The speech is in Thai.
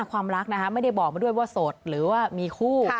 ความรักนะคะไม่ได้บอกมาด้วยว่าโสดหรือว่ามีคู่